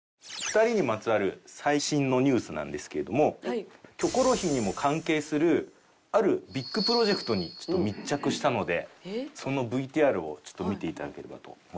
２人にまつわる最新のニュースなんですけれども『キョコロヒー』にも関係するあるビッグプロジェクトにちょっと密着したのでそのＶＴＲをちょっと見て頂ければと思います。